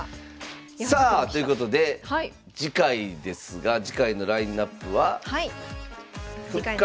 さあということで次回ですが次回のラインナップは「復活！